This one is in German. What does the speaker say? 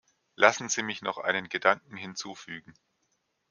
Lassen Sie mich noch einen Gedanken hinzufügen.